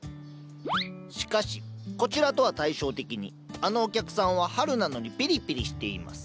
しかしこちらとは対照的にあのお客さんは春なのにピリピリしています。